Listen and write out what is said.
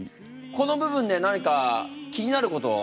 この部分で何か気になることあるかな？